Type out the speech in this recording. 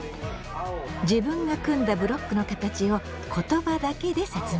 自分が組んだブロックの形を言葉だけで説明。